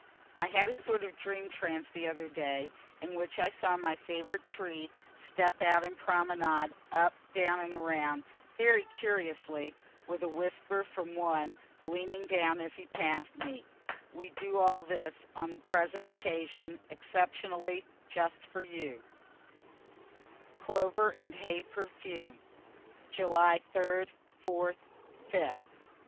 (I had a sort of dream trance the other day, in which I saw my favorite trees step out and promenade up, down and around, very curiously with a whisper from one, leaning down as he pass'd me, We do all this on the present occasion, exceptionally, just for you.) CLOVER AND HAY PERFUME _July 3d, 4th, 5th.